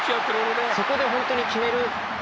そこでホントに決める。